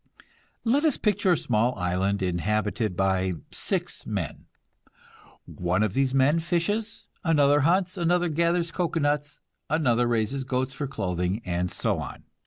Let us picture a small island inhabited by six men. One of these men fishes, another hunts, another gathers cocoanuts, another raises goats for clothing, and so on.